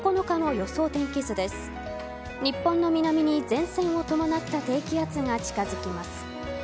日本の南に前線を伴った低気圧が近づきます。